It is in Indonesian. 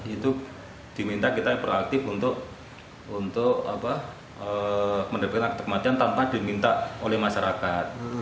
itu diminta kita proaktif untuk mendapatkan kematian tanpa diminta oleh masyarakat